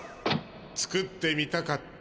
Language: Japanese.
作ってみたかった